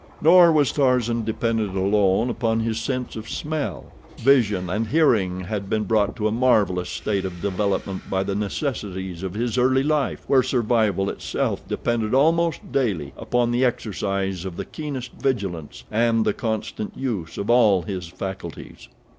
Nor was Tarzan dependent alone upon his sense of smell. Vision and hearing had been brought to a marvelous state of development by the necessities of his early life, where survival itself depended almost daily upon the exercise of the keenest vigilance and the constant use of all his faculties.